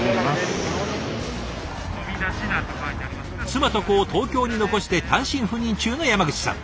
妻と子を東京に残して単身赴任中の山口さん。